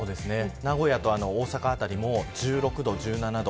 名古屋と大阪辺りも１６度、１７度。